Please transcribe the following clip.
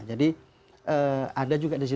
jadi ada juga disitu juga